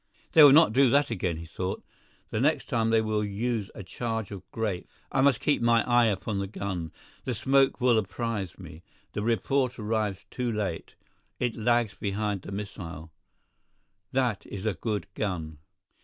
"They will not do that again," he thought; "the next time they will use a charge of grape. I must keep my eye upon the gun; the smoke will apprise me—the report arrives too late; it lags behind the missile. That is a good gun."